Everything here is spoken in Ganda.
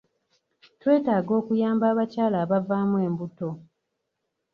Twetaaga okuyamba abakyala abavaamu embuto.